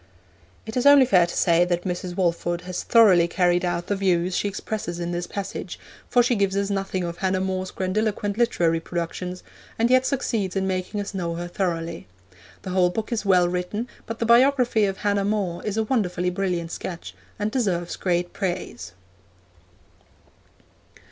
It is only fair to say that Mrs. Walford has thoroughly carried out the views she expresses in this passage, for she gives us nothing of Hannah More's grandiloquent literary productions, and yet succeeds in making us know her thoroughly. The whole book is well written, but the biography of Hannah More is a wonderfully brilliant sketch, and deserves great praise.